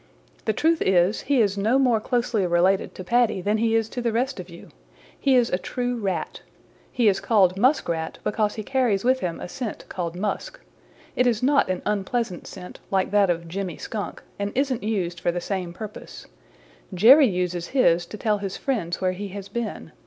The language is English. The truth is, he is no more closely related to Paddy than he is to the rest of you. He is a true Rat. He is called Muskrat because he carries with him a scent called musk. It is not an unpleasant scent, like that of Jimmy Skunk, and isn't used for the same purpose. Jerry uses his to tell his friends where he has been.